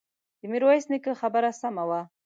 د ميرويس نيکه خبره سمه وه.